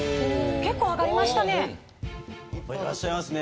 結構、挙がりましたね。